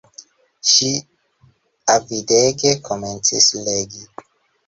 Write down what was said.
Ŝi avidege komencis legi.